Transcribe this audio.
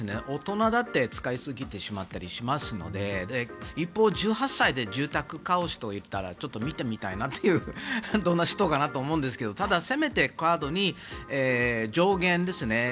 大人だって使いすぎてしまったりしますので一方、１８歳で住宅を買う人がといったらちょっと見てみたいなというどんな人かなと思うんですがただ、せめてカードに上限ですね